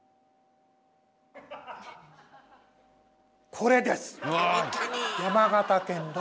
これです。